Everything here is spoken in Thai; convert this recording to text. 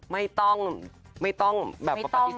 ไม่ต้องไม่ต้องแบบปฏิเสธเลย